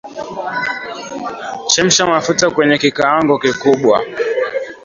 Chemsha mafuta kwenye kikaango kikubwa